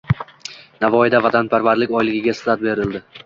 Navoiyda “Vatanparvarlik oyligi”ga start berildi